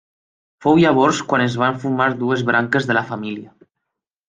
Fou llavors quan es van formar dues branques de la família.